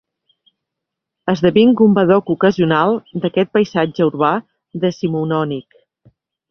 Esdevinc un badoc ocasional d'aquest paisatge urbà decimonònic.